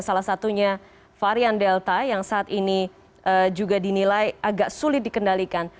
salah satunya varian delta yang saat ini juga dinilai agak sulit dikendalikan